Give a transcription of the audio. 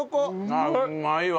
あっうまいわ。